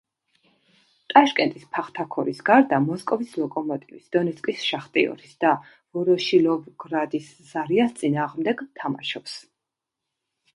ტაშკენტის „ფახთაქორის“ გარდა, მოსკოვის „ლოკომოტივის“, დონეცკის „შახტიორის“ და ვოროშილოვგრადის „ზარიას“ წინააღმდეგ თამაშობს.